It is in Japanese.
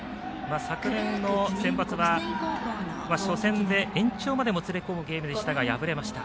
昨年のセンバツは初戦で延長までもつれ込むゲームでしたが敗れました。